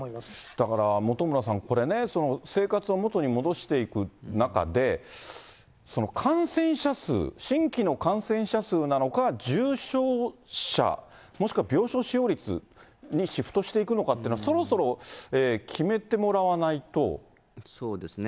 だから本村さん、これね、生活を元に戻していく中で、感染者数、新規の感染者数なのか、重症者、もしくは病床使用率にシフトしていくのかっていうのは、そうですね。